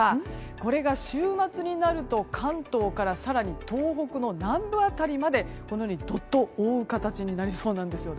これが週末になると関東から更に東北の南部辺りまでどっと覆う形になりそうなんです。